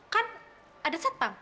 kan ada set pang